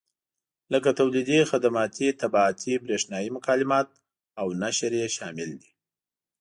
لکه تولیدي، خدماتي، طباعتي، برېښنایي مکالمات او نشر یې شامل دي.